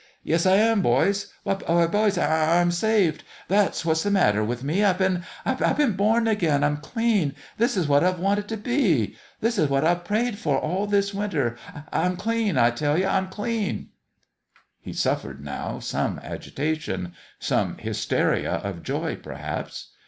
" Yes, I am, boys. Why, boys, I'm I'm I'm saved. That's what's the matter with me. I've been I've been born again. I'm clean. This is what I've wanted t' be. This is what I've prayed for all this winter. I'm clean, I tell ye I'm clean !" He suffered, now, some agitation some hysteria of joy, perhaps.